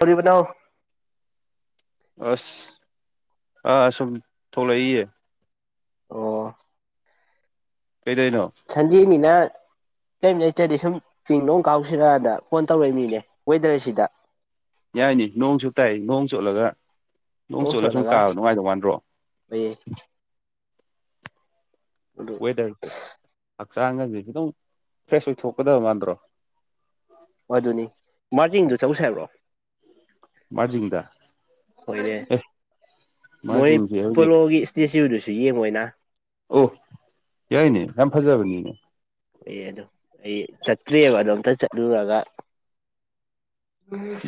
ꯍꯧꯔꯤꯕꯅꫭ ꯑꯁ ꯑꯥ ꯁꯨꯝ ꯊꯣꯛꯂꯛꯏꯌꯦ ꯑꯣ ꯀꯩꯗꯩꯅꯣ ꯁꯟꯗꯦꯅꯤꯅ ꯀꯔꯤꯝ ꯂꯩꯇꯦ ꯁꯨꯝ ꯆꯤꯡ ꯂꯣꯡ ꯀꯥꯎꯁꯤꯔꯥꯅ ꯐꯣꯟ ꯇꯧꯔꯛꯏ ꯃꯤꯅꯦ ꯋꯦꯗꯔꯁꯤꯗ ꯌꯥꯏꯅꯤ ꯅꯣꯡꯁꯨꯨ ꯇꯥꯏ ꯅꯣꯡ ꯆꯣꯠꯂꯒ ꯅꯣꯡ ꯑꯣ ꯆꯣꯠꯂ ꯁꯨꯝ ꯁꯂꯒ ꯀꯥꯕ ꯅꯨꯡꯉꯥꯏꯗꯧ ꯃꯥꯟꯗ꯭ꯔꯣ ꯑꯩ ꯑꯗꯨ ꯋꯦꯗꯔꯁꯦ ꯍꯛꯆꯥꯡꯒꯁꯦ ꯈꯤꯗꯪ ꯐ꯭ꯔꯦꯁ ꯑꯣꯏꯊꯣꯛꯀꯗꯕ ꯃꯥꯟꯗ꯭ꯔꯣ ꯑꯗꯨꯅꯤ ꯃꯥꯔꯖꯤꯡꯗꯨ ꯆꯧꯁꯦ ꯍꯥꯏꯕ꯭ꯔꫭ ꯃꯥꯔꯖꯤꯡꯗ ꯍꯣꯏꯅꯦ ꯑꯦ ꯃꯣꯏ ꯃꯥꯔꯖꯤꯡꯁꯦ ꯍꯧꯖꯤꯛ ꯄꯨꯂꯣꯒꯤ ꯇꯤꯑꯦꯁꯌꯨꯗꯁꯨ ꯌꯦꯡꯉꯣꯏꯅ ꯑꯣ ꯌꯥꯏꯅꯦ ꯌꯥꯝ ꯐꯖꯕꯅꯤꯅꯦ ꯑꯦ ꯑꯗꯣ ꯑꯩ ꯆꯠꯇ꯭ꯔꯤꯑꯕ ꯑꯗꯣ ꯑꯝꯇ ꯆꯠꯂꯨꯔꯒ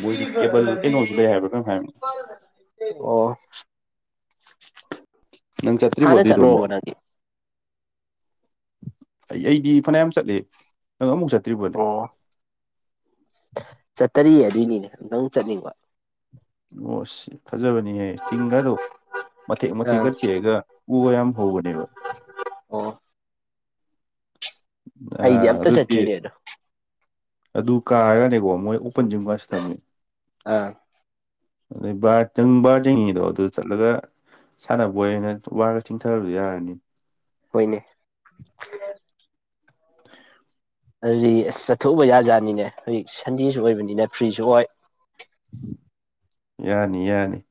ꯃꯣꯏꯗꯤ ꯀꯦꯕꯜ ꯀꯩꯅꯣꯁꯨ ꯂꯩ ꯍꯥꯏꯕ꯭ꯔꯥ ꯀꯩꯅꯣꯝ ꯍꯥꯏꯕꯅꯤ ꯅꯪ ꯆꯠꯇ꯭ꯔꯤꯕꯣ ꯍꯥꯟꯅ ꯑꯗꯨꯏꯗꯣ ꯑꯝꯕꯣ ꯆꯠꯂꯨꯔꯕꯣ ꯅꯪꯗꯤ ꯑꯩ ꯑꯩꯗꯤ ꯐꯅꯌꯥꯝ ꯆꯠꯂ ꯅꯪ ꯑꯃꯨꯛ ꯆꯠꯇ꯭ꯔꯤꯕꯣꯅꯦ ꯆꯠꯇꯔꯤ ꯑꯗꯨꯏꯅꯤꯅꯦ ꯑꯝꯇꯪ ꯆꯠꯅꯤꯡꯕ ꯑꯣ ꯑꯁ ꯐꯖꯕꯅꯤꯍꯦ ꯇꯤꯡꯒꯗꯣ ꯃꯊꯦꯛ ꯃꯊꯦꯛꯀ ꯑꯥ ꯊꯦꯛꯑꯒ ꯎꯒ ꯌꯥꯝ ꯍꯧꯕꯅꯦꯕ ꯑꯣꯝ ꯑ ꯑꯩꯗꯤ ꯑꯝꯇ ꯑꯗꯨꯗꯤ꯫ ꯆꯠꯇ꯭ꯔꯤꯅꯦ ꯑꯗꯣ ꯑꯗꯨ ꯀꯥꯔꯒꯅꯦꯀꯣ ꯃꯣꯏ ꯑꯣꯄꯟꯖꯤꯝꯒꯁꯨꯊꯝꯃꯤ ꯑꯥ [unintelligible] ꯑꯗꯨ ꯆꯠꯂꯒ ꯁꯥꯟꯅꯕꯣꯏ ꯑꯅ ꯋꯥꯔꯒ ꯆꯤꯡꯊꯔꯁꯨ ꯌꯥꯔꯅꯤ ꯍꯣꯏꯅꯦ꯫ [inaudible] ꯑꯗꯨꯗꯤ ꯑꯁ ꯆꯠꯊꯣꯛꯎꯕ ꯌꯥꯖꯥꯠꯅꯤꯅꯦ ꯍꯧꯖꯤꯛ ꯁꯟꯗꯦꯁꯨ ꯑꯣꯏꯕꯅꯤꯅ ꯐ꯭ꯔꯤꯁꯨ ꯑꯣꯏ ꯌꯥꯅꯤ ꯌꯥꯅꯤ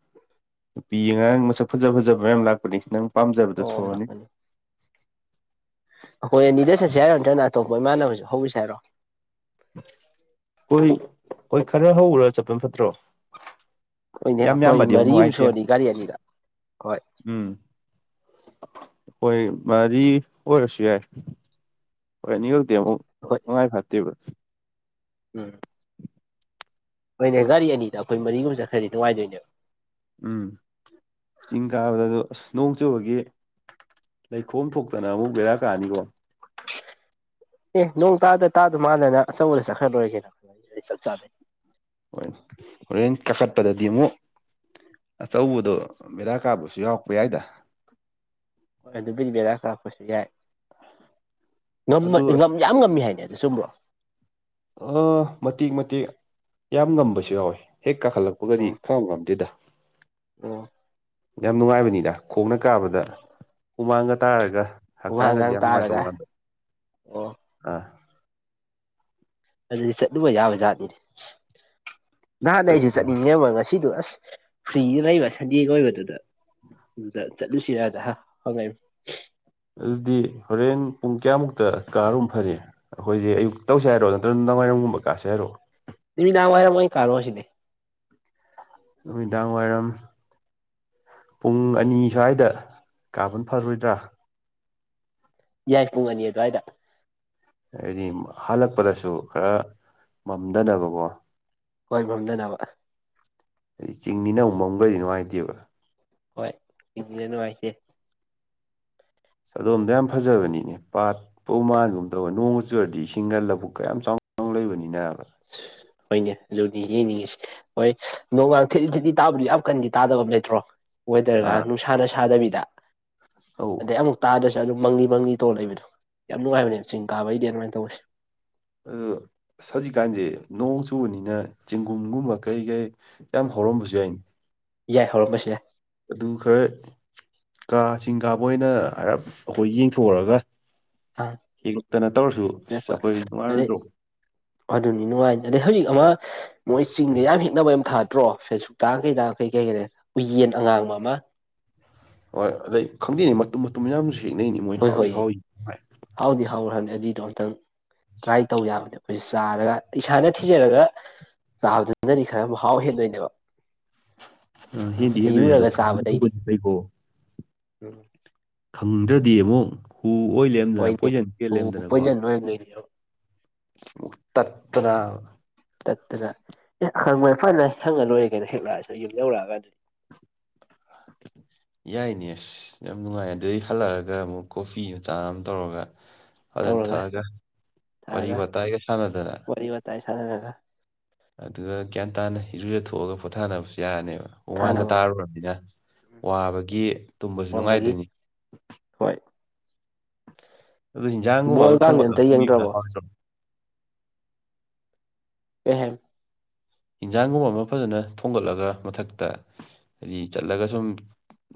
ꯅꯨꯄꯤ ꯑꯉꯥꯡ ꯃꯁꯛ ꯐꯖ ꯐꯖꯕ ꯃꯌꯥꯝ ꯂꯥꯛꯄꯅꯤ ꯅꯪ ꯄꯥꯝꯖꯕꯗꯣ ꯑꯣ ꯊꯣꯛꯑꯅꯤ꯫ ꯂꯥꯛꯀꯅꯤ ꯑꯩꯈꯣꯏ ꯑꯅꯤꯗꯁ ꯆꯠꯁ‌ꯦ ꯍꯥꯏꯔ ꯅꯠꯇ꯭ꯔꯒꯅ ꯑꯇꯣꯞꯄ ꯏꯃꯥꯟꯅꯕꯁꯨ ꯍꯧꯒꯤꯁ‌ꯦ ꯍꯥꯏꯔꯣ ꯑꯈꫭꯏ ꯑꯈꫭꯏ ꯈꯔ ꯍꯧꯔꯥ ꯆꯠꯄꯅ ꯐꯠꯇ꯭ꯔꯣ ꯑꯣꯏꯅꯦ ꯌꯥꯝ ꯑꯩꯈꯣꯏ ꯌꯥꯝꯕꯗꯤ ꯑꯃꯨꯛ ꯃꯔꯤꯃ ꯅꯨꯡꯉꯥꯏꯇꯦ ꯁꯨꯔꯅꯤ ꯒꯥꯔꯤ ꯑꯅꯤꯗ ꯍꯣꯏ ꯎꯝ ꯍꯣꯏ ꯃꯥꯔꯤ ꯑꯣꯏꯔꯁꯨ ꯌꯥꯏ ꯑꯈꫭꯏ ꯑꯅꯤ ꯈꯛꯇꯤ ꯑꯃꯨꯛ ꯍꯣꯏ ꯅꯨꯡꯉꯥꯏ ꯐꯠꯇꯦꯕ꯫ ꯎꯝ ꯍꯣꯏꯅꯦ ꯒꯥꯔꯤ ꯑꯅꯤꯗ ꯑꯩꯈꯣꯏ ꯃꯔꯤꯒꯨꯝ ꯆꯠꯈ꯭ꯔꯗꯤ ꯅꯨꯡꯉꯥꯏꯗꯣꯏꯅꯦꯕ ꯎꯝ ꯆꯤꯡ ꯀꯥꯕꯗꯨ ꯑꯁ ꯅꯣꯡ ꯆꯨꯕꯒꯤ ꯂꯩꯈꯣꯝ ꯊꯣꯛꯇꯅ ꯑꯃꯨꯛ ꯕꯦꯔꯥ ꯀꯥꯅꯤꯀꯣ꯫ ꯑꯦ ꯅꯣꯡ ꯇꯥꯗ ꯇꯥꯗꯨ ꯃꯥꯟꯅꯅ ꯑꯆꯧꯕꯗ ꯆꯠꯈ꯭ꯔ ꯂꯣꯏꯔꯦ ꯀꯩꯅꫭ ꯆꯞ ꯆꯥꯩ [unintelligible] ꯍꯣꯏ ꯍꯣꯔꯦꯟ ꯀꯥꯈꯠꯄꯗꯗꯤ ꯑꯃꯨꯛ ꯑꯆꯧꯕꯗꯣ ꯕꯦꯔꯥ ꯀꯥꯕꯨꯁꯨ ꯌꯥꯎꯔꯛꯄ ꯌꯥꯏꯗ ꯍꯣꯏ ꯑꯗꯨꯕꯨꯗꯤ ꯕꯤꯔꯥ ꯀꯔꯛꯄꯁꯨ ꯌꯥꯏ ꯉꯝꯃꯥ ꯑꯗꯨ ꯑꯁ ꯌꯥꯝ ꯉꯝꯃꯤ ꯍꯥꯏꯅꯦ ꯑꯗꯨ ꯆꯨꯝꯕ꯭ꯔꯣ ꯑꯥ ꯃꯇꯦꯛ ꯃꯇꯦꯛ ꯌꯥꯝ ꯉꯝꯕꯁꯨ ꯌꯥꯎꯋꯦ ꯍꯦꯛ ꯀꯥꯈꯠꯂꯛꯄꯒꯗꯤ ꯑꯣ ꯈꯪꯉꯝ ꯉꯝꯗꯦꯗ꯫ ꯑꯣ꯫ ꯌꯥꯝ ꯅꯨꯡꯉꯥꯏꯕꯅꯤꯗ ꯈꯣꯡꯅ ꯀꯥꯕꯗ ꯍꯨꯃꯥꯡꯒ ꯇꯥꯔꯒ ꯍꯛꯆꯥꯡꯒꯖꯦ ꯍꯨꯃꯥꯡꯒꯥꯡ ꯌꯥꯝ ꯅꯨꯡꯉꯥꯏꯗꯧ ꯇꯥꯔꯒ ꯃꯥꯟꯕ꯫ ꯑꯣ꯫ ꯑꯥ ꯑꯗꯨꯗꯤ ꯆꯠꯂꯨꯕ ꯌꯥꯕ ꯖꯥꯠꯗꯤꯅꯦ ꯅꯍꯥꯟ ꯑꯩꯁꯨ ꯆꯠꯁꯤ ꯆꯠꯅꯤꯡꯉ‌ꯦꯕ ꯉꯁꯤꯗꯣ ꯑꯁ ꯐ꯭ꯔꯤꯗ ꯂꯩꯕ ꯁꯟꯗꯦꯒ ꯑꯣꯏꯕꯗꯨꯗ ꯑꯗꯨꯗ ꯆꯠꯂꯨꯁꯤꯔꯗ ꯍꯪꯉꯛꯏꯕ ꯑꯗꯨꯗꯤ ꯍꯣꯔꯦꯟ ꯄꯨꯡ ꯀꯌꯥꯃꯨꯛꯇ ꯀꯥꯔꯨꯕꯅ ꯐꯅꯤ꯫ ꯑꯩꯈꯣꯏꯁꯦ ꯑꯌꯛꯇ ꯇꯧꯁ‌ꯦ ꯍꯥꯏꯔꯣ ꯅꯠꯇ꯭ꯔ ꯅꯗꯥꯋꯥꯏꯔꯝꯨꯝꯕ ꯀꯥꯁꯤ ꯍꯥꯏꯔꯣ ꯅꯨꯃꯤꯗꯥꯃ ꯋꯥꯏꯔꯝ ꯑꯣꯏꯅ ꯀꯥꯔꯨꯔꯁꯤꯅꯦ꯫ ꯅꯨꯃꯤꯗꯥꯡ ꯋꯥꯏꯔꯝ ꯄꯨꯡ ꯑꯅꯤ ꯁ꯭ꯋꯥꯏꯗ ꯀꯥꯕꯅ ꯐꯔꯣꯏꯗ꯭ꯔꯥ ꯌꯥꯏ ꯄꯨꯡ ꯑꯅꯤ ꯑꯗꯨꯋꯥꯏꯗ꯫ ꯍꯥꯏꯗꯤ ꯍꯜꯂꯛꯄꯗꯁꯨ ꯈꯔ ꯃꯝꯗꯅꯕꯀꯣ ꯍꯣꯏ ꯃꯝꯗꯅꯕ ꯑꯗꯩ ꯆꯤꯡꯅꯤꯅ ꯑꯃꯨꯛ ꯃꯝꯒ꯭ꯔꯗꯤ ꯅꯨꯡꯉꯥꯏꯇꯦꯕ ꯍꯣꯏ [unintelligible] ꯅꯨꯡꯉꯥꯏꯇꯦ꯫ ꯆꯥꯗꯣꯝꯗꯣ ꯌꯥꯝ ꯐꯖꯕꯅꯤꯅꯦ ꯄꯥꯠ ꯄꯣꯛ [unintelligible] ꯃꯥꯥꯟꯒꯨꯝ ꯇꯧꯋꯦ ꯅꯣꯡꯒ ꯆꯨꯔꯗꯤ ꯏꯁꯤꯡꯒ ꯂꯧꯕꯨꯛꯀ ꯌꯥꯝ ꯆꯥꯎ ꯆꯥꯎꯅ ꯂꯩꯕꯅꯤꯅꯕ꯫ ꯍꯣꯏꯅꯦ ꯑꯗꯨꯅꯤ ꯌꯦꯡꯅꯤꯡꯉꯤꯁ‌ꯦ ꯍꯣꯏ ꯅꯣꯡꯒꯥ ꯊꯦꯠꯂꯤ ꯊꯦꯠꯂꯤ ꯇꯥꯕꯗꯤ ꯌꯥꯝ ꯀꯟꯗꯤ ꯇꯥꯗꯕ ꯑꯃ ꯂꯩꯇ꯭ꯔꯣ ꯋ‌ꯦꯏꯗꯔꯒ ꯑꯥ ꯅꯨꯡꯁꯥꯅ ꯁꯥꯗꯕꯤꯗ ꯑꯧ ꯑꯗꯩ ꯑꯃꯨꯛ ꯇꯥꯗ꯭ꯔꯁꯨ ꯑꯗꯨꯝ ꯃꯪꯂꯤ ꯃꯪꯂꯤ ꯇꯧꯔ ꯂꯩꯕꯗꯣ ꯌꯥꯝ ꯅꯨꯡꯉꯥꯏꯕꯅꯦ ꯆꯤꯡ ꯀꯥꯕꯩꯗꯤ ꯑꯗꯨꯃꯥꯏꯅ ꯇꯧꯕꯁꯦ꯫ ꯑꯗꯣ ꯍꯧꯖꯤꯛꯀꯥꯟꯁꯦ ꯅꯣꯡ ꯆꯨꯕꯅꯤꯅ ꯆꯦꯡꯒꯨꯝꯒꯨꯝꯕ ꯀꯩ ꯀꯩ ꯌꯥꯝ ꯍꯧꯔꯝꯕꯖꯨ ꯌꯥꯏꯅꯦ꯫ ꯌꯥꯏ ꯍꯧꯔꯝꯕꯁꯨ ꯌꯥꯏ꯫ ꯑꯗꯨ ꯈꯔ ꯀꯥ ꯆꯤꯡ ꯀꯥꯕꯣꯏ ꯑꯣꯏꯅ ꯍꯥꯏꯔꯞ ꯑꯩꯈꯣꯏ ꯌꯦꯡꯊꯣꯛꯎꯔꯒ ꯑꯥ ꯍꯦꯛꯇꯅ ꯇꯧꯔꯁꯨ ꯑꯁ ꯂꯦꯞꯄ ꯑꯩꯈꯣꯏ ꯑꯗꯩ ꯅꯨꯡꯉꯥꯏꯔꯣꯏꯗ꯭ꯔꯣ ꯑꯗꯨꯅꯤ ꯅꯨꯡꯉꯥꯏ ꯑꯗꯩ ꯍꯧꯖꯤꯛ ꯑꯃ ꯃꯣꯏ ꯆꯤꯡꯗ ꯌꯥꯝ ꯍꯤꯡꯛꯅꯕ ꯌꯥꯝ ꯊꯥꯗ꯭ꯔꯣ ꯐꯦꯁꯕꯨꯛꯇ ꯀꯩꯗ ꯀꯩ ꯀꯩ ꯀ ꯎꯌꯦꯟ ꯑꯉꯥꯡꯕ ꯑꯃ ꯍꯣꯏ ꯑꯗꯩ ꯈꯪꯗꯦꯅꯦ ꯃꯇꯨꯝ ꯃꯇꯨꯝ ꯃꯌꯥꯝꯁꯨ ꯊꯦꯡꯅꯩꯅꯦ ꯃꯣꯏ ꯍꯣꯏ ꯍꯥꯎꯏ ꯍꯣꯏꯌꯦ ꯍꯥꯎꯏ ꯍꯥꯎꯗꯤ ꯍꯥꯎꯔ ꯍꯥꯏꯕꯅꯤ ꯑꯖꯤꯗꯣ ꯑꯝꯛꯇꯪ ꯀ꯭ꯔꯥꯏ ꯇꯧ ꯌꯥꯕꯅꯦ ꯑꯩꯈꯣꯏꯁ ꯆꯥꯔꯒ ꯏꯁꯥꯅ ꯊꯤꯖꯔꯒ ꯆꯥꯕꯗꯨꯅꯗꯤ ꯈꯔ ꯃꯍꯥꯎ ꯍꯦꯟꯗꯣꯏꯅꯦꯕ ꯎꯝ ꯍꯦꯟꯗꯤ ꯍꯦꯟꯗꯣꯏꯅꯦ ꯗꯣ ꯂꯩꯔꯨꯔꯒ ꯆꯥꯕꯗꯩꯗꯤ ꯐꯩꯀꯣ ꯎꯝ ꯈꯪꯗ꯭ꯔꯗꯤ ꯑꯃꯨꯛ ꯍꯨ ꯑꯣꯏ ꯂꯔꯦꯝꯗꯅ ꯄꯣꯏꯖꯟ ꯀꯦꯜ ꯂꯔꯦꯝꯗꯅꯀꯣ ꯃ ꯂꯩ ꯑꯃꯨꯛ ꯇꯠꯇꯅ ꯇꯠꯇꯅ ꯑꯦ ꯍꯪꯕ ꯐꯅ ꯍꯪꯉ ꯂꯣꯏꯔꯦ ꯀꯩꯅꯣ ꯍꯦꯛꯂꯛꯑꯁꯨ ꯌꯨꯝ ꯌꯧꯔꯛꯑꯒ ꯑꯗꯨꯗꯤ [inaudible] ꯌꯥꯏꯅꯦ ꯑꯁ ꯌꯥꯝ ꯅꯨꯡꯉꯥꯏ ꯑꯗꯨꯗꯒꯤ ꯍꯜꯂꯛꯑꯒ ꯑꯃꯨꯛ ꯀꯣꯐꯤ ꯃꯆꯥ ꯑꯃ ꯇꯧꯔꯒ ꯑꯗꯨꯖꯅ ꯇꯧꯔꯒ ꯊꯛꯑꯒ ꯋꯥꯔꯤ ꯋꯥꯇꯥꯏꯒ ꯁꯥꯟꯅꯗꯅ ꯇꯥꯏꯁꯥꯅꯔꯒ ꯑꯗꯨꯒ ꯒ꯭ꯌꯥꯟ ꯇꯥꯅ ꯏꯔꯨꯖ ꯊꯣꯛꯑꯒ ꯄꯣꯊꯥꯅꯕꯁꯨ ꯌꯥꯔꯅꯦꯕ ꯗꯨꯃꯥꯡꯒ ꯊꯥꯅꯕ ꯇꯥꯔꯨꯔꯕꯅꯤꯅ ꯋꯥꯕꯒꯤ ꯇꯨꯝꯕꯖꯨ ꯅꯣꯡꯃꯒꯤ ꯅꯨꯡꯉꯥꯏꯗꯣꯏꯅꯤ ꯍꯣꯏ ꯑꯗꯨ ꯍꯤꯟꯖꯥꯡꯒꯨꯝꯕ ꯑꯃ ꯕꯣꯜꯒꯥꯡꯗꯤ ꯊꯣꯡꯕꯗ ꯑꯝꯇ ꯐꯣꯡꯕꯤꯕꯗ ꯌꯦꯡꯗ꯭ꯔꯕꯣ ꯍꯥꯎꯔꯗ꯭ꯔꯣ ꯀꯩ ꯍꯥꯏ ꯏꯟꯁꯥꯡꯒꯨꯝꯕ ꯑꯃ ꯐꯖꯅ ꯊꯣꯡꯒꯠꯂꯒ ꯃꯊꯛꯇ ꯍꯥꯏꯗꯤ ꯆꯠꯂꯒ ꯁꯨꯝ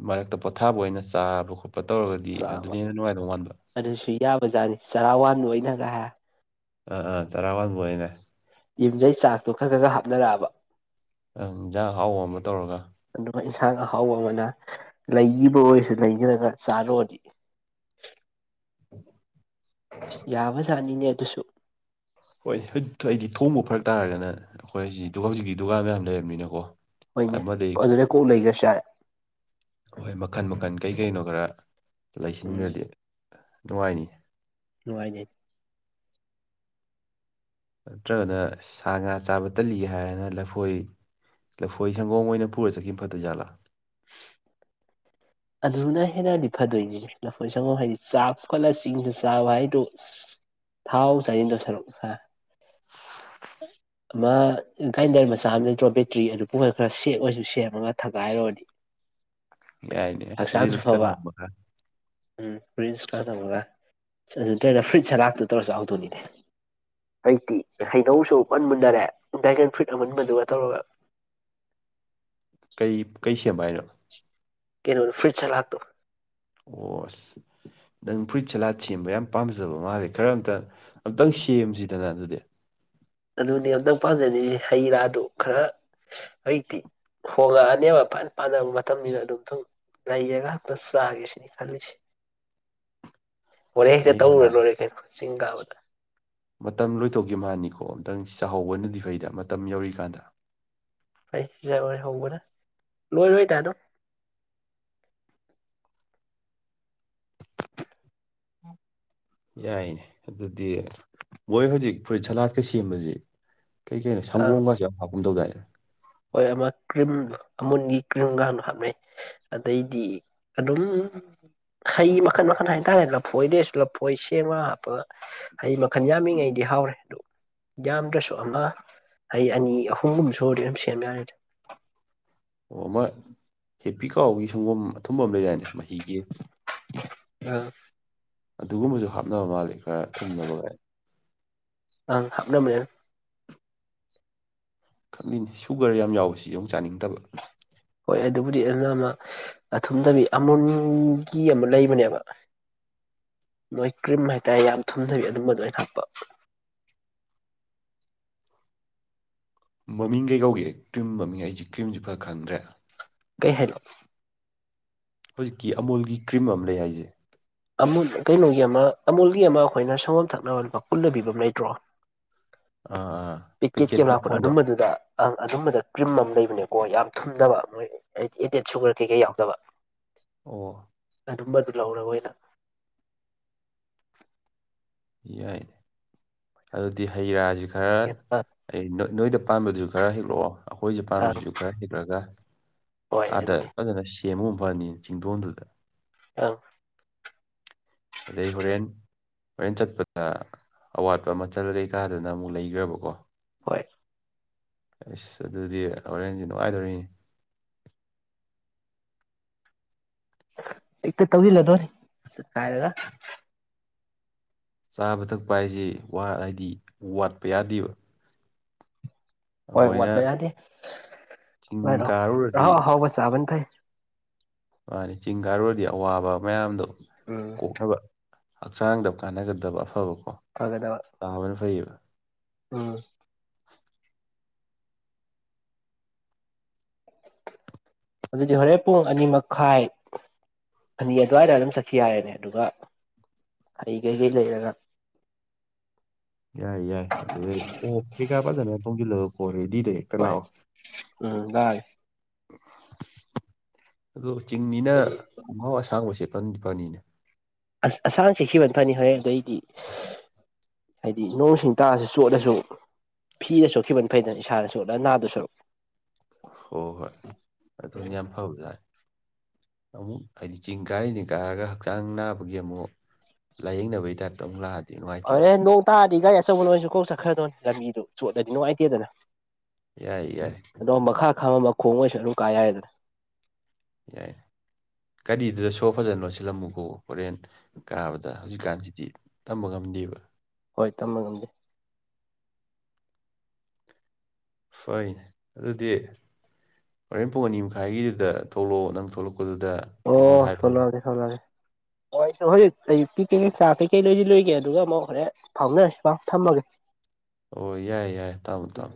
ꯃꯔꯛꯇ ꯄꯣꯊꯥꯕ ꯑꯣꯏꯅ ꯆꯥꯕ ꯈꯣꯠꯄ ꯄ ꯇꯧꯔꯒꯗꯤ ꯆꯥꯕ ꯑꯗꯨꯅ ꯍꯦꯟꯅ ꯅꯨꯡꯉꯥꯏꯗꯧ ꯃꯥꯟꯕ ꯑꯗꯨꯁꯨ ꯌꯥꯕꯖꯥꯠꯅꯤ ꯆꯔꯥ ꯋꯥꯟ ꯑꯣꯏꯅꯒ ꯍꯥ ꯑꯥ ꯑꯥ ꯆꯔ ꯋꯥꯟꯕ ꯑꯣꯏꯅ ꯌꯨꯝꯖꯩ ꯆꯥꯛꯇꯣ ꯈꯔ ꯈꯔ ꯈꯔ ꯍꯥꯞꯅꯔꯛꯑꯕ ꯪ ꯌꯦꯟꯖꯥꯡ ꯍꯥꯎꯕ ꯑꯃ ꯇꯧꯔꯒ ꯑꯗꯨꯒ ꯏꯟꯁꯥꯡ ꯑꯍꯥꯎꯕ ꯑꯃꯅ ꯂꯩꯈꯤꯕ ꯑꯣꯏꯔꯁꯨ ꯂꯩꯔꯒ ꯆꯥꯔꯨꯔꯑꯗꯤ ꯌꯥꯕꯖꯥꯠꯅꯤꯅꯦ ꯑꯗꯨꯁꯨ ꯍꯣꯏ ꯑꯩꯗꯤ ꯊꯣꯡꯕ ꯐꯔꯛ ꯇꯥꯔꯒꯅ ꯑꯩꯈꯣꯏꯖꯤ ꯍꯧꯖꯤꯛꯇꯀꯤ ꯗꯨꯀꯥꯟ ꯃꯌꯥꯝ ꯂꯩꯔꯕꯅꯤꯅꯀꯣ ꯍꯣꯏꯅꯦ ꯑꯃꯗꯒꯤ ꯑꯗꯨꯗꯩ ꯀꯣꯛ ꯂꯩꯒ꯭ꯔꯁꯨ ꯌꯥꯔꯦ ꯍꯣꯏ ꯃꯈꯟ ꯃꯈꯟ ꯀꯩꯀꯩꯅꯣ ꯈꯔ ꯎꯝ ꯂꯩꯁꯤꯟꯈ꯭ꯔꯗꯤ ꯅꯨꯡꯉꯥꯏꯅꯤꯅꯦ ꯅꯨꯡꯉꯥꯏꯅꯦ ꯅꯠꯇ꯭ꯔꯒꯅ ꯁꯥ ꯉꯥ ꯆꯥꯕ ꯇꯜꯂꯤ ꯍꯥꯏꯔꯅ ꯂꯐꯣꯏ ꯂꯐꯣꯏ ꯁꯪꯒꯣꯝ ꯑꯣꯏꯅ ꯄꯨꯔ ꯆꯠꯈꯤꯕꯅ ꯐꯗꯣꯏ ꯖꯥꯠꯂ ꯑꯗꯨꯅ ꯍꯦꯟꯅꯗꯤ ꯐꯗꯣꯏꯅꯤꯅꯦ ꯂꯐꯣꯏ ꯁꯪꯒꯣꯝ ꯍꯥꯏꯗꯤ ꯆꯥꯛꯈꯠꯂ ꯆꯤꯡꯁꯨ ꯆꯥꯕ ꯍꯥꯏꯗꯣ ꯊꯥꯎ ꯆꯥꯖꯤꯟꯗ ꯁꯔꯨꯛ ꯍꯥ ꯑꯃ ꯒ꯭ꯔꯥꯏꯟꯗꯔ ꯃꯆꯥ ꯑꯃ ꯂꯩꯠꯇ꯭ꯔꯣ ꯕꯦꯇ꯭ꯔꯤ ꯑꯗꯨ ꯄꯨꯡ ꯈꯔ ꯁꯦ ꯑꯣꯏꯔꯁꯨ ꯁꯦꯝꯃꯒ ꯊꯒꯥꯏꯔꯨꯔꯗꯤ ꯌꯥꯏꯅꯦ ꯑꯁ ꯍꯛꯆꯥꯡꯁꯨ ꯔꯤꯜꯁꯀ ꯐꯕ ꯅꯝꯃꯒ ꯎꯝ ꯐ꯭ꯔꯤꯟꯁ ꯀꯥ ꯇꯃꯒ ꯑꯗꯨ ꯇꯩꯅ ꯐ꯭ꯔꯨꯏꯠ ꯁꯦꯂꯥꯥꯛꯇꯣ ꯇꯧꯔ ꯆꯍꯧꯗꯣꯏꯅꯤꯅꯦ ꯑꯩꯇꯤ ꯍꯩꯅꯧꯁꯨ ꯃꯨꯟ ꯃꯨꯟꯅꯔꯦ ꯗ꯭ꯔꯦꯒꯟ ꯐ꯭ꯔꯨꯏꯠ ꯑꯃꯨꯟꯕꯗꯨꯒ ꯇꯧꯔꯒ ꯀꯔꯤ ꯀꯩ ꯁꯦꯝꯕ ꯍꯥꯏꯅꯣ ꯀꯩꯅꯣ ꯐ꯭ꯔꯨꯏꯠ ꯁꯂꯥꯗꯇꫭ ꯑꯣ ꯑꯁ ꯅꯪ ꯐꯨꯔꯤꯠ ꯁꯂꯥꯗꯠ ꯁꯦꯝꯕ ꯌꯥꯝ ꯄꯥꯝꯖꯕ ꯃꯥꯜꯂꯦ ꯈꯔ ꯑꯝꯇ ꯑꯝꯇꯪ ꯁꯦꯝꯁꯤꯗꯅ ꯑꯗꯨꯗꯤ ꯑꯗꯨꯅꯦ ꯑꯝꯇꯪ ꯄꯥꯖꯔꯤꯖꯩ ꯍꯩ ꯔꯥꯗꯨ ꯈꯔ ꯍꯧꯖꯤꯛꯇꯤ ꯍꯣꯡꯉꯛꯑꯅꯦꯕ ꯐꯅ ꯄꯥꯅꯕ ꯃꯇꯝꯅꯤꯅ ꯑꯗꯨꯝ ꯊꯨꯡ ꯂꯩꯔꯒ ꯆꯥꯒꯦꯁꯤꯅꯤ ꯈꯜꯂꯤꯁꯤ ꯍꯣꯔꯦꯟ ꯍꯦ ꯍꯌꯦꯡ ꯇꯧꯔꯨꯔ ꯂꯣꯏꯔꯦ ꯀꯩꯅꯣ ꯆꯤꯡ ꯀꯥꯕꯗ ꯃꯇꯝ ꯂꯣꯏꯊꯣꯛꯈꯤ ꯃꯥꯅꯤꯀꯣ ꯑꯝꯇꯪ ꯆꯥꯍꯧꯕꯅꯗꯤ ꯐꯩꯗ ꯃꯇꯝ ꯌꯧꯔꯤꯀꯥꯟꯗ [unintelligible] ꯌꯥꯏꯅꯦ ꯑꯗꯨꯗꯤ ꯃꫭꯏ ꯍꯧꯖꯤꯛ ꯐ꯭ꯔꯨꯏꯠ ꯁꯂꯥꯠꯀ ꯁꯦꯝꯕꯖꯦ ꯀꯩ ꯀꯩꯅꯣ ꯑꯪ ꯁꯪꯒꯣꯝꯒꯁꯨ ꯌꯥꯝ ꯍꯥꯞꯀꯨꯝ ꯇꯧꯗꯥꯏꯅꯦ ꯍꯣꯏ ꯑꯃ ꯀ꯭ꯔꯤꯝ ꯑꯃꯨꯟꯒꯤ ꯀ꯭ꯔꯤꯝꯒ ꯍꯥꯞꯅꯩ ꯑꯗꯩꯗꯤ ꯑꯗꯨꯝ ꯍꯩ ꯃꯈꯟ ꯃꯈꯟ ꯍꯥꯏꯇꯥꯔꯦ ꯂꯐꯣꯏꯗꯩꯁꯨ ꯂꯐꯣꯏ ꯁꯦꯝꯒ ꯍꯥꯞꯄꯒ ꯍꯥꯏ ꯃꯈꯟ ꯌꯥꯝꯃꯤꯉꯩꯗꯤ ꯍꯥꯎꯔꯦ ꯑꯗꯨ ꯌꯥꯝꯗ꯭ꯔꯁꯨ ꯑꯃ ꯍꯩ ꯑꯅꯤ ꯑꯍꯨꯝꯒꯨꯝꯕ ꯁꯨꯔꯗꯤ ꯑꯗꯨꯝ ꯁꯦꯝ ꯌꯥꯔꯦꯗ ꯑꯣ ꯑꯃꯥ ꯍꯦꯄꯤ ꯀꯥꯎꯒꯤ ꯁꯪꯒꯣꯝ ꯑꯊꯨꯝꯕ ꯑꯃ ꯂꯩꯗꯥꯏꯅꯦ ꯃꯍꯤꯒꯤ ꯑ ꯑꯗꯨꯒꯨꯝꯕꯁꯨ ꯍꯥꯞꯅ ꯃꯥꯜꯂꯤ ꯈꯔ ꯊꯨꯝꯅꯕꯒꯥꯏ ꯑꯪ ꯍꯥꯞꯅꯝꯅꯦ ꯈꯪꯏꯅꯤ ꯁꯨꯒꯔ ꯌꯥꯝ ꯌꯥꯎꯕꯁꯤ ꯌꯧ ꯆꯥꯅꯤꯡꯗꯕ ꯍꯣꯏ ꯑꯗꯨꯕꯨꯗꯤ ꯑꯗꯨꯅ ꯑꯃ ꯑꯊꯨꯝꯗꯕꯤ ꯑꯃꯨꯟꯒꯤ ꯑꯃ ꯂꯩꯕꯅꯦꯕ ꯃꫭꯏ ꯀ꯭ꯔꯤꯝ ꯍꯥꯏꯇꯥꯔꯦ ꯌꯥꯝ ꯊꯨꯝꯗꯕꯤ ꯑꯗꯨꯝꯕꯗꯣ ꯑꯣꯏ ꯍꯥꯞꯄ ꯃꯃꯤꯡ ꯀꯩ ꯀꯧꯒꯦ ꯀ꯭ꯔꯤꯝ ꯃꯃꯤꯡ ꯍꯥꯏꯁꯤ ꯀ꯭ꯔꯤꯝꯁꯦ ꯐꯔ ꯈꯪꯗ꯭ꯔꯦ ꯀꯩ ꯍꯥꯏꯅꯣ ꯍꯨꯖꯤꯛꯀꯤ ꯑꯃꯣꯜꯒꯤ ꯀ꯭ꯔꯤꯝ ꯑꯝ ꯂꯩ ꯍꯥꯏꯁꯦ ꯑꯃꯨꯜ ꯀꯩꯅꯣꯒꯤ ꯑꯃ ꯑꯃꯨꯜꯒꯤ ꯑꯃ ꯑꯩꯈꯣꯏꯅ ꯁꯪꯒꯣꯝ ꯊꯛꯅꯕ ꯂꯨꯄꯥ ꯄꯨꯜꯂ ꯄꯤꯕꯥ ꯑꯃ ꯂꯩꯇ꯭ꯔꯣ ꯑꯥ ꯑꯥ ꯄꯤꯀꯦꯠꯀꯤ ꯄꯦꯀꯦꯠ ꯂꯥꯛꯄꯗꯣ ꯃꯐꯣꯟꯗꯣ ꯑꯗꯨꯝꯕꯗꯨꯗ ꯑꯪ ꯑꯗꯨꯝꯕꯗ ꯀ꯭ꯔꯤꯝ ꯑꯃ ꯂꯩꯕꯅꯦꯀꯣ ꯌꯥꯝ ꯊꯨꯝꯗꯕ ꯃꯣꯏ ꯍꯥꯏꯗꯤ ꯑꯦꯗꯦꯠ ꯁꯨꯒꯔ ꯀꯩꯀꯩ ꯌꯥꯎꯗꯕ ꯑꯣ ꯑꯗꯨꯝꯕꯗꯨ ꯂꯧꯔꯛꯑꯣꯏꯗ ꯌꯥꯏ ꯑꯗꯨꯗꯤ ꯍꯩ ꯔꯥꯁꯤ ꯈꯔ ꯑꯪ ꯑꯩ ꯅꯣꯏꯗ ꯄꯥꯟꯕꯥꯗꯨꯁꯨ ꯈꯔ ꯍꯦꯛꯂꯛꯑꯣ ꯑꯩꯈꯣꯏꯁꯨ ꯑꯪ ꯄꯥꯟꯕꯥꯗꯨꯁꯨ ꯈꯔ ꯍꯦꯛꯂꯒ ꯍꯣꯏ ꯑꯥꯗ ꯑꯗꯨꯅꯤ ꯐꯖꯅ ꯁꯦꯝꯃꯨ ꯐꯅꯤ ꯆꯤꯡꯗꯣꯟꯗꯨꯗ ꯑꯡ ꯑꯗꯩ ꯍꯣꯔꯦꯟ ꯍꯣꯔꯦꯟ ꯆꯠꯄꯗ ꯑꯋꯥꯠꯄ ꯃꯆꯜ ꯑꯗꯩ ꯀꯥꯗꯅ ꯑꯃꯨꯛ ꯂꯩꯈ꯭ꯔꯕꯀꯣ ꯍꯣꯏ ꯏꯁ ꯑꯗꯨꯗꯤ ꯍꯣꯔꯦꯟꯁꯦ ꯅꯨꯡꯉꯥꯏꯗꯣꯔꯤꯅꯤ ꯍꯦꯛꯇ ꯇꯧꯁꯤꯜꯂꯥ ꯂꯣꯏꯔꯦ ꯆꯀꯥꯏꯔꯒ ꯆꯥꯕ ꯊꯛꯄ ꯍꯥꯏꯁꯦ ꯋꯥ ꯍꯥꯏꯗꯤ ꯋꯥꯠꯄ ꯌꯥꯗꯦꯕ ꯍꯣꯏ ꯑꯩꯈꯣꯏꯅ ꯋꯥꯠꯄ ꯌꯥꯗꯦ ꯆꯤꯡ ꯑꯣꯏꯔꯣ ꯀꯥꯔꯨꯔꯗꯤ ꯑꯍꯥꯎ ꯑꯍꯥꯎꯕ ꯆꯥꯕꯅ ꯐꯩ ꯃꯥꯅꯤ ꯆꯤꯡ ꯀꯥꯏꯔꯨꯔꯗꯤ ꯑꯋꯥꯕ ꯃꯌꯥꯝꯗꯣ ꯎꯝ ꯀꯣꯛꯅꯕ ꯍꯛꯆꯥꯡꯗ ꯀꯥꯟꯅꯒꯗꯕ ꯑꯐꯕꯀꯣ ꯐꯒꯗꯕ ꯇꯥꯕꯅ ꯐꯩꯌꯦꯕ ꯎꯝ ꯑꯗꯨꯗꯤ ꯍꯣꯔꯦꯟ ꯄꯨꯡ ꯑꯅꯤ ꯃꯈꯥꯏ ꯑꯅꯤ ꯑꯗꯨꯋꯥꯏꯗ ꯑꯗꯨꯝ ꯆꯠꯈꯤ ꯌꯥꯔꯦꯅꯦ ꯑꯗꯨꯒ ꯍꯩ ꯀꯩꯀꯩ ꯂꯩꯔꯒ ꯌꯥꯏ ꯌꯥꯏ ꯑꯗꯨꯗꯩ ꯑꯣ ꯀꯩꯀꯥ ꯐꯖꯅ ꯇꯣꯡꯁꯤꯜꯂꯒꯀꯣ ꯔꯦꯗꯤꯗ ꯇ ꯍꯣꯏ ꯂꯥꯛꯑꯣ ꯎꯝ ꯂꯥꯛꯑꯒꯦ ꯑꯗꯣ ꯆꯤꯡꯅꯤꯅ ꯈꫭꯡꯒꯥꯎ ꯑꯁꯥꯡꯕ ꯁꯦꯠꯄꯅꯗꯤ ꯐꯅꯤꯅꯦ ꯑꯁ ꯑꯁꯥꯡ ꯁꯦꯠꯈꯤꯕꯅꯥ ꯐꯅꯤ ꯍꯣꯔꯦ ꯑꯗꯩꯗꯤ ꯍꯥꯏꯗꯤ ꯅꯣꯡ ꯁꯤꯡ ꯇꯥꯔꯁꯨ ꯆꯣꯠꯂꯁꯨ ꯐꯤꯗ ꯁꯣꯛꯈꯤꯕꯅ ꯐꯩꯗꯅ ꯏꯁꯥꯗ ꯆꯣꯠꯂꯥ ꯅꯥꯗꯣꯏꯁꯔꯨꯛ ꯍꯣꯍꯣꯏ ꯑꯗꯨꯅꯤ ꯁꯔꯨꯛ ꯌꯥꯝ ꯐꯕꯖꯅꯤ ꯑꯃꯨꯛ ꯍꯥꯏꯗꯤ ꯆꯤꯡ ꯀꯥꯏꯔꯤꯅꯤ ꯀꯥꯔꯒ ꯍꯛꯆꯥꯡ ꯅꯥꯕꯒꯤ ꯑꯃꯨꯛ ꯂꯥꯏꯌꯦꯡꯅꯕꯒꯤ ꯇꯥꯏꯞꯇ ꯑꯃꯨꯛ ꯂꯥꯛꯑꯗꯤ ꯅꯨꯡꯉꯥꯏꯇꯦꯕ ꯑꯣꯔꯦꯟ ꯅꯣꯡ ꯇꯥꯔꯗꯤ ꯒꯥꯔꯤ ꯑꯆꯧꯕ ꯂꯣꯏꯁꯨ ꯀꯣꯛ ꯆꯠꯈ꯭ꯔꯗꯣꯏꯅꯦ ꯂꯝꯕꯤꯗꯨ ꯆꯣꯠꯂꯗꯤ ꯅꯨꯡꯉꯥꯏꯇꯦꯗꯅ ꯌꯥꯏ ꯌꯥꯏ ꯑꯗꯣ ꯃꯈꯥ ꯈꯝꯃꯝꯕ ꯈꯣꯡ ꯑꯣꯏꯁꯨ ꯑꯗꯨꯝ ꯀꯥ ꯌꯥꯏꯗꯅ ꯌꯥꯏ ꯒꯥꯔꯤꯗꯨꯗ ꯁꯣꯔ ꯐꯖꯅꯣ ꯁꯤꯜꯂꯝꯃꯨꯀꯣ ꯍꯣꯔꯦꯟ ꯀꯥꯕꯗ ꯍꯧꯖꯤꯛꯀꯥꯟꯁꯤꯗꯤ ꯇꯝꯕ ꯉꯝꯗꯦꯕ ꯍꯣꯏ ꯊꯝꯃ ꯉꯝꯗꯦ꯫ ꯍꯣꯌ ꯑꯗꯨꯗꯤ꯫ ꯍꯣꯔꯦꯟ ꯄꯨꯡ ꯑꯅꯤ ꯃꯈꯥꯏꯒꯤꯗꯨꯗ ꯊꯣꯛꯂꯛꯑꯣ ꯅꯪ ꯊꯣꯛꯂꯛꯄꯗꯨꯗ ꯑꯩꯉꯣꯟꯗ ꯑꯣ ꯍꯥꯏꯔꯛꯑꯣ ꯊꯣꯛꯂꯥꯀꯥꯒꯦ ꯊꯣꯛꯂꯥꯀꯥꯒꯦ ꯑꯣ ꯑꯩ ꯍꯧꯖꯤꯛ ꯑꯌꯨꯛꯀꯤ ꯀꯩꯀꯩ ꯆꯥꯛ ꯀꯩꯀꯩ ꯂꯣꯏꯗꯤ ꯂꯣꯏꯒꯦ ꯑꯗꯨꯒ ꯑꯃꯨꯛ ꯍꯣꯔꯦ ꯐꯥꯎꯅꯔꯁꯤ ꯄꯥꯎ ꯊꯝꯃꯒꯦ꯫ ꯑꯣ ꯌꯥꯏ ꯌꯥꯏꯌꯦ ꯇꯥꯃꯣ ꯇꯥꯃꯣ